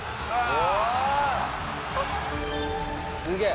ああ！